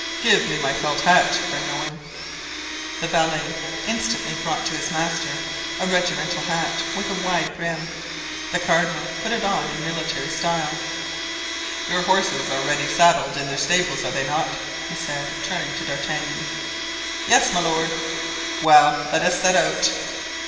Give me my felt hat, Bernouin." The valet instantly brought to his master a regimental hat with a wide brim. The cardinal put it on in military style. "Your horses are ready saddled in their stables, are they not?" he said, turning to D'Artagnan. "Yes, my lord." "Well, let us set out."